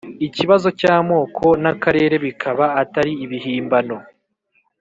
ikibazo cy' amoko n' akarere bikaba atari ibihimbano.